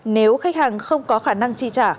nếu khách hàng không có khả năng tri trả